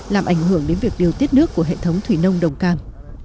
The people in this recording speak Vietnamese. làm ảnh hưởng đến việc điều tiết nước của hệ thống thủy nông đồng cam